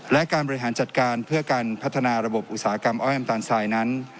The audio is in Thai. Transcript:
และการบริหารจัดการเพื่อการพัฒนาระบบอุตสาหกรรมอ้อยน้ำตาลทรายนั้น